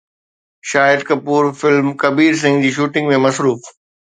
شاهد Kapoor film ”Kabir Singh“ جي shooting ۾ مصروف